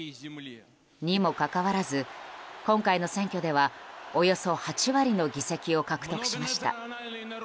にもかかわらず、今回の選挙ではおよそ８割の議席を獲得しました。